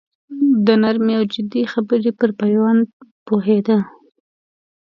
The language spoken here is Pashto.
د نرمې او جدي خبرې پر پېوند پوهېده.